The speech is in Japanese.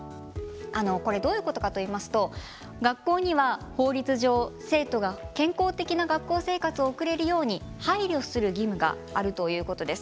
どういうことかといいますと学校には法律上生徒が健康的な学校生活を送れるように配慮する義務があるということです。